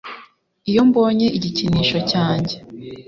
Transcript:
iyo mbonye igikinisho cyanjye